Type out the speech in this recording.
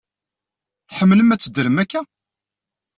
Tḥemmlem ad teddrem akka?